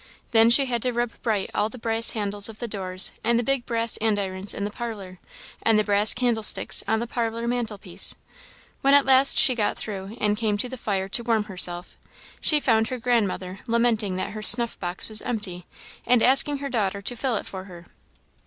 Then she had to rub bright all the brass handles of the doors, and the big brass andirons in the parlour, and the brass candlesticks on the parlour mantel piece. When at last she got through, and came to the fire to warm herself, she found her grandmother lamenting that her snuff box was empty, and asking her daughter to fill it for her.